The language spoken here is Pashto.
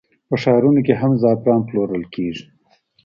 په ښارونو کې هم زعفران پلورل کېږي.